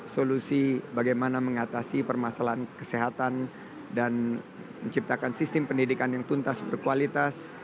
solusi bagaimana mengatasi permasalahan kesehatan dan menciptakan sistem pendidikan yang tuntas berkualitas